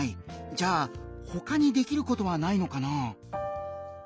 じゃあ他にできることはないのかな？